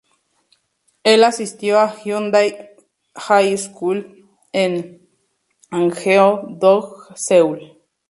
El asistió a Hyundai High School en Apgujeong-dong, Seúl.